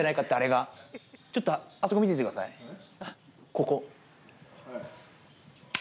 ここ。